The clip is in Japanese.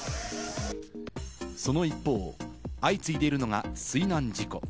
その一方、相次いでいるのが水難事故。